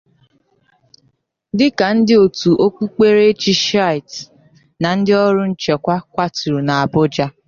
dịka ndị otu okpukperechi Shi’ites na ndị ọrụ nchekwa kwàtụrụ n'Abụja